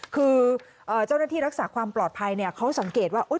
คือเจ้าหน้าที่รักษาความปลอดภัยเนี่ยเขาสังเกตว่า